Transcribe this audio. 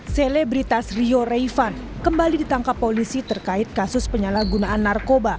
selebritas rio raivan kembali ditangkap polisi terkait kasus penyalahgunaan narkoba